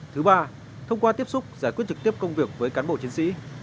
thứ ba thông qua tiếp xúc giải quyết trực tiếp công việc với cán bộ chiến sĩ